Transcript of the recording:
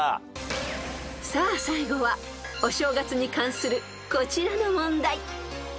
［さあ最後はお正月に関するこちらの問題］